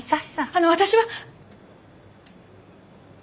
あの私は。